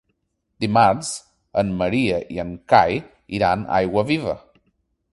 Dimarts en Maria i en Cai iran a Aiguaviva.